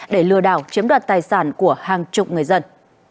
để lừa đảo chiếm đoạt tài sản của hàng chục người dân